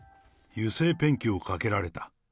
油性ペンキをかけられた。